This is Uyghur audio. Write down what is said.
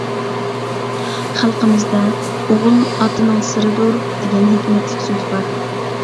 خەلقىمىزدە «ئوغۇل ئاتىنىڭ سىرىدۇر» دېگەن ھېكمەتلىك سۆز بار.